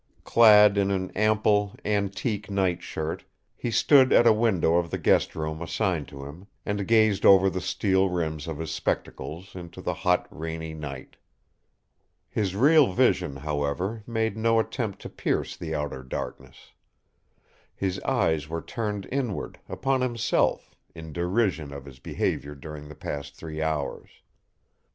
Clad in an ample, antique night shirt, he stood at a window of the guest room assigned to him and gazed over the steel rims of his spectacles into the hot, rainy night. His real vision, however, made no attempt to pierce the outer darkness. His eyes were turned inward, upon himself, in derision of his behaviour during the past three hours.